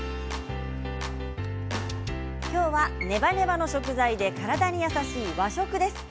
今日はネバネバの食材で体に優しい和食です。